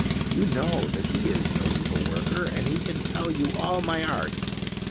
You know that he is no evil worker, and he can tell you all my art.